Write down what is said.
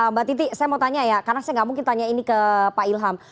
mbak titi saya mau tanya ya karena saya nggak mungkin tanya ini ke pak ilham